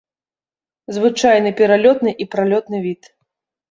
Звычайны пералётны і пралётны від.